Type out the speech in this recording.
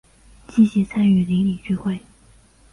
积极参与邻里聚会